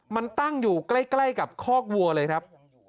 มันตั้งอยู่ใกล้กับคอกวัวเลยครับ